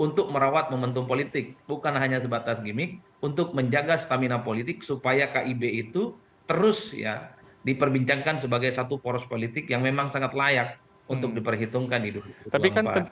untuk merawat momentum politik bukan hanya sebatas gimmick untuk menjaga stamina politik supaya kib itu terus ya diperbincangkan sebagai satu poros politik yang memang sangat layak untuk diperhitungkan di dunia